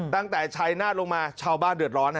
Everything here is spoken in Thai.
ตั้งแต่ชัยนาฏลงมาชาวบ้านเดือดร้อน